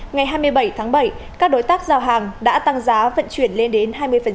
ngày hai mươi bảy tháng bảy các đối tác giao hàng đã tăng giá vận chuyển lên đến hai mươi